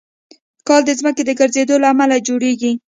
کال د ځمکې د ګرځېدو له امله جوړېږي.